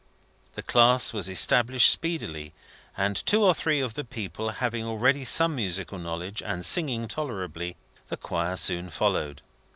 The class was established speedily, and, two or three of the people having already some musical knowledge, and singing tolerably, the Choir soon followed.